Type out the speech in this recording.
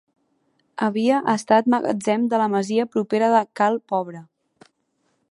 Havia estat magatzem de la masia propera de Cal Pobre.